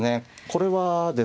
これはですね